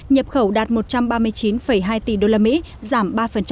nhập khẩu đạt một trăm ba mươi chín hai tỷ đô la mỹ giảm ba